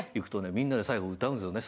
みんなで最後歌うんですよね